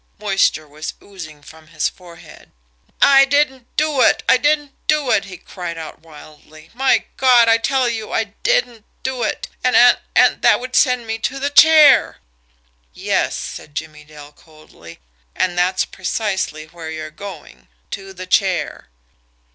Moisture was oozing from his forehead. "I didn't do it! I didn't do it!" he cried out wildly. "My God, I tell you, I DIDN'T do it and and that would send me to the chair." "Yes," said Jimmie Dale coldly, "and that's precisely where you're going to the chair."